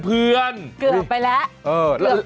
เกือบไปแล้ว